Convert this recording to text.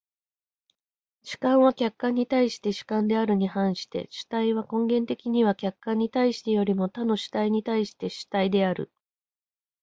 主観は客観に対して主観であるに反して、主体は根源的には客観に対してよりも他の主体に対して主体である。